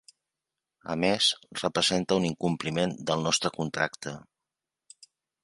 A més, representa un incompliment del nostre contracte.